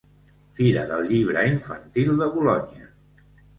Fira del Llibre Infantil de Bolonya.